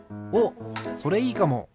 おっそれいいかも。